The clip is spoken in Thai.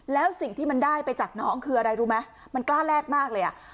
แล้วสิ่งที่มันได้ไปจากน้องคืออะไรรู้ไหมมันกล้าแลกมากเลยอ่ะ